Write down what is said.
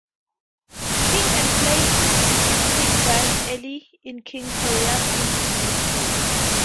King and played in King's band early in King's career in Memphis.